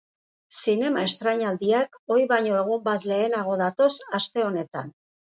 Zinema estreinaldiak ohi baino egun bat lehenago datoz aste honetan.